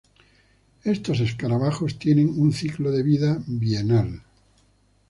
Estos escarabajos tienen un ciclo de vida bienal.